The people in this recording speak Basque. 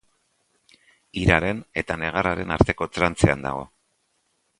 Hiraren eta negarraren arteko trantzean dago.